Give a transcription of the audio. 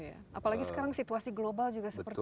apalagi sekarang situasi global juga seperti